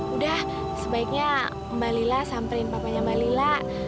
udah sebaiknya mbak lila samperin papanya mbak lila